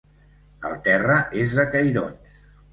El terra és de cairons.